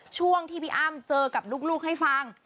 ช่วงที่พี่อ้ำเจอกับลูกให้ฟัง